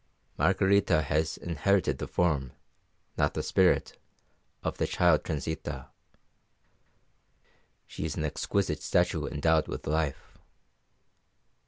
Margarita has inherited the form, not the spirit, of the child Transita. She is an exquisite statue endowed with life.